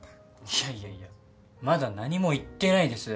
いやいやいやまだ何も言ってないです。